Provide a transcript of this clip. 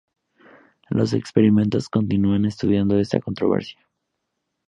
Los experimentos continúan estudiando esta controversia.